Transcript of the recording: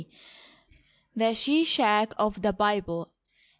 C.) (the Shishaq of the Bible).